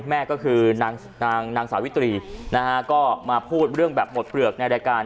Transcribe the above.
แม่ก็คือนางสาวิตรีนะฮะก็มาพูดเรื่องแบบหมดเปลือกในรายการ